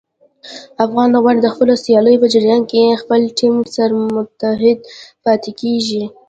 افغان لوبغاړي د خپلو سیالیو په جریان کې خپل ټیم سره متحد پاتې کېږي.